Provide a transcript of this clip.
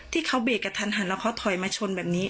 ที่เขาเบรกกับทันหันแล้วเขาถอยมาชนแบบนี้